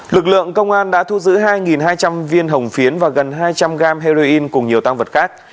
lực lượng công an đã thu giữ hai hai trăm linh viên hồng phiến và gần hai trăm linh gram heroin cùng nhiều tăng vật khác